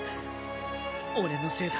俺のせいだ。